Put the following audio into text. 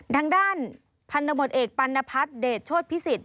ดังด้านพันธมติเอกปัณฑัฐเดชโชธพิสิทธิ์